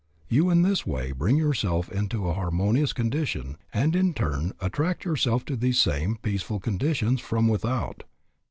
You in this way bring yourself into an harmonious condition, and in turn attract to yourself these same peaceful conditions from without.